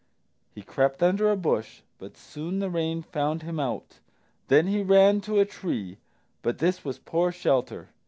He crept under a bush, but soon the rain found him out. Then he ran to a tree, but this was poor shelter.